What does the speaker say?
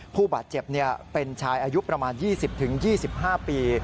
ผู้บาดเจ็บเป็นชายอายุประมาณ๒๐๒๕ปี